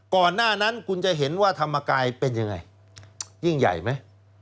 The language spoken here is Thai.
ก่อนหน้านั้นคุณจะเห็นว่าธรรมกายเป็นยังไงยิ่งใหญ่ไหม